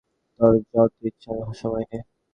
তোর যত ইচ্ছা সময় নে।